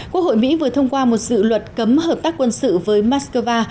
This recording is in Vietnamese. quốc hội mỹ vừa thông qua một dự luật cấm hợp tác quân sự với moscow